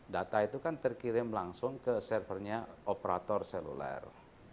data itu kan terkirim langsung ke servernya operator seluler